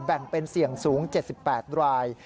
แบ่งเป็นเสี่ยงสูง๗๘ราย